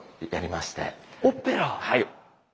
はい。